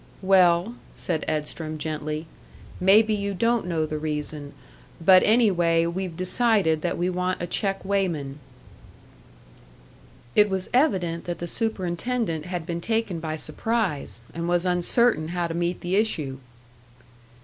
"Well," said Edstrom, gently, "maybe you don't know the reason but anyway we've decided that we want a check weighman." It was evident that the superintendent had been taken by surprise, and was uncertain how to meet the issue.